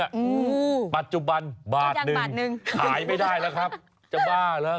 อู๋จังจังบาทนึงปัจจุบันบาทนึงขายไม่ได้แล้วครับจะบ้าแล้ว